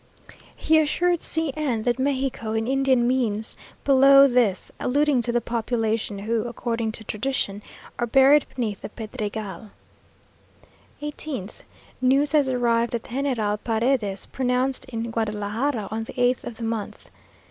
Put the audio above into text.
He assured C n that Mexico in Indian means "below this," alluding to the population who, according to tradition, are buried beneath the Pedregal. 18th. News has arrived that General Paredes pronounced in Guadalajara on the eighth of the month!